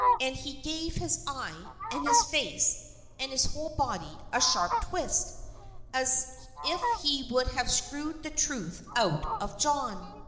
And he gave his eye, and his face, and his whole body, a sharp twist, as if he would have screwed the truth out of John.